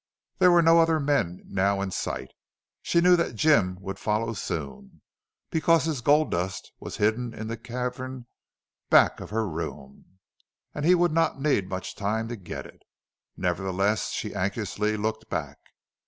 There were no other men now in sight. She knew that Jim would follow soon, because his gold dust was hidden in the cavern back of her room, and he would not need much time to get it. Nevertheless, she anxiously looked back.